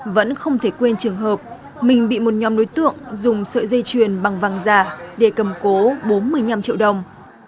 vẫn không thể quên trường hợp mình bị một nhóm đối tượng dùng sợi dây chuyền bằng vàng giả để cầm cố bốn mươi năm triệu đồng